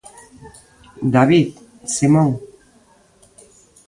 David Simón.